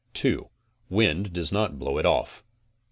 Wind does not blow it off.